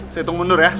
saya hitung mundur ya